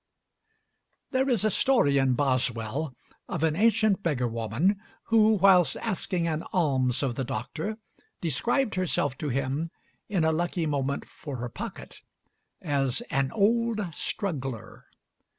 There is a story in Boswell of an ancient beggar woman who, whilst asking an alms of the Doctor, described herself to him, in a lucky moment for her pocket, as "an old struggler."